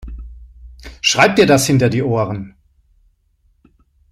Schreib dir das hinter die Ohren!